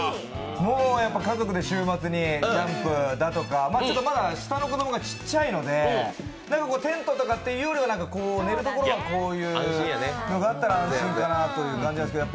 家族で週末にキャンプだとか、まだ下の子供がちっちゃいのでちっちゃいのでテントとかってよりは寝るところはこういうのがあったら安心かなという感じですが。